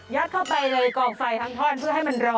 ยัดเข้าไปเลยกล่องไฟทั้งท่อนเพื่อให้มันร้อน